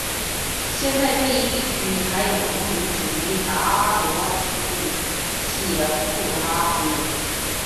现在这一地区还有母语属于达罗毗荼语系的布拉灰人。